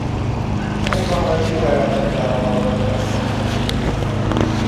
অনেক বাংলাদেশি ভাই আছেন তারা ভাল পদে চাকরি করে বেশি বেতন পাচ্ছেন।